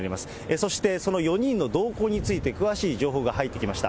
そして、その４人の動向について詳しい情報が入ってきました。